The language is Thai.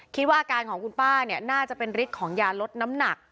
คิดว่าอาการของคุณป้าเนี่ยน่าจะเป็นฤทธิ์ของยาลดน้ำหนัก